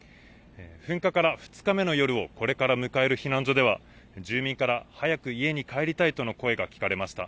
噴火から２日目の夜をこれから迎える避難所では、住民から早く家に帰りたいとの声が聞かれました。